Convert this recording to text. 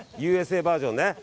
ＵＳＡバージョンね。